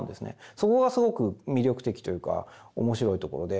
そこがすごく魅力的というかおもしろいところで。